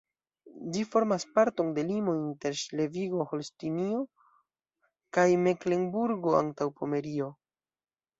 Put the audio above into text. Ĝi formas parton de limo inter Ŝlesvigo-Holstinio kaj Meklenburgo-Antaŭpomerio.